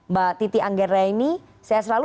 mbak titi anggeraini sehat selalu